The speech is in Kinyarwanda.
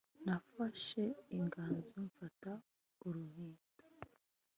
Nafashe inganzo mfata uruhindu